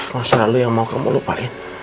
masalah lu yang mau kamu lupain